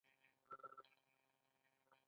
افغانستان د غزني په برخه کې نړیوال شهرت لري.